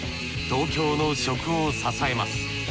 東京の食を支えます。